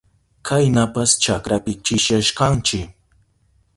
Kaynapas chakrapi chishiyashkanchi.